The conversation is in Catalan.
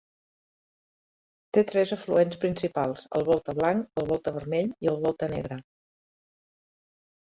Té tres afluents principals -el Volta Blanc, el Volta Vermell i el Volta Negre-.